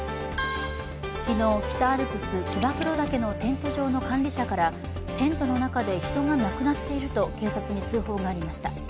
昨日、北アルプス・燕岳のテント場の管理者からテントの中で、人が亡くなっていると警察に通報がありました。